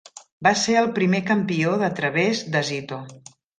Va ser el primer campió de Travers de Zito.